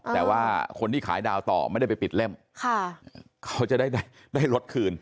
แต่ว่าคนที่ขายดาวต่อไม่ได้ไปปิดเล่มเขาจะได้รถคืน